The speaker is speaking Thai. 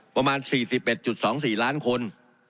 ประมาณ๔๑๒๔ล้านคน